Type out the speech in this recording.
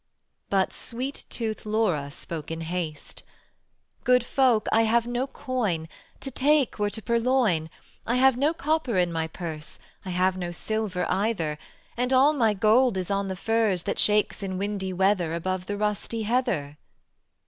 But sweet tooth Laura spoke in haste: "Good folk, I have no coin; To take were to purloin: I have no copper in my purse, I have no silver either, And all my gold is on the furze That shakes in windy weather Above the rusty heather."